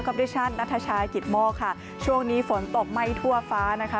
ดิฉันนัทชายกิตโมกค่ะช่วงนี้ฝนตกไหม้ทั่วฟ้านะคะ